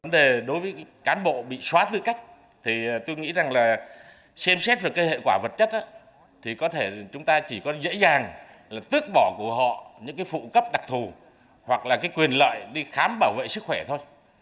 về đối với cán bộ bị xóa tư cách thì tôi nghĩ rằng là xem xét về cái hệ quả vật chất thì có thể chúng ta chỉ có dễ dàng là tước bỏ của họ những cái phụ cấp đặc thù hoặc là cái quyền lợi đi khám bảo vệ sức khỏe thôi